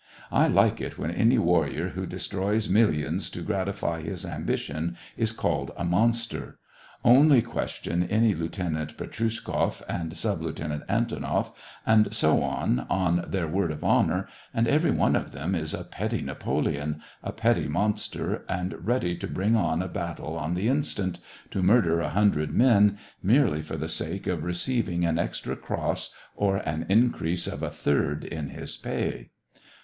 I like it when any warrior who destroys mill ions to gratify his ambition is called a monster. Only question any Lieutenant Petrushkoff, and Sub Lieutenant Antonoff, and so on, on their word of honor, and every one of them is a petty Napoleon, a petty monster, and ready to bring on a battle on the instant, to murder a hundred men, merely for the sake of receiving an extra cross or an increase of a third in his pay.